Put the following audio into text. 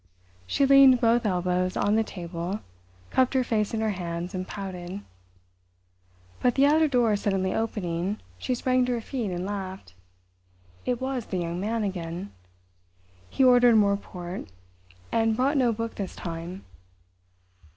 She leaned both elbows on the table—cupped her face in her hands and pouted. But the outer door suddenly opening, she sprang to her feet and laughed. It was the Young Man again. He ordered more port, and brought no book this time.